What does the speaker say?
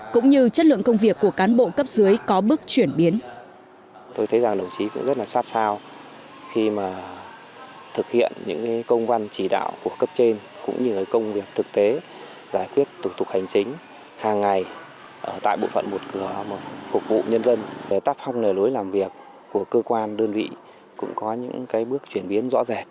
cũng như chất lượng công việc của cán bộ cấp dưới có bước chuyển biến